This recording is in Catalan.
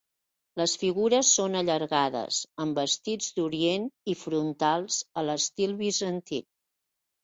Les figures són allargades, amb vestits d'Orient i frontals, a l'estil bizantí.